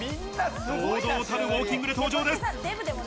堂々たるウオーキングで登場です。